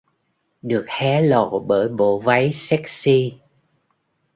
Được hé lộ bởi bộ váy sexy